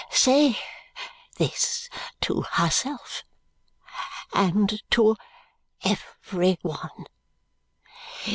Say this to herself, and to every one.